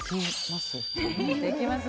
「できます」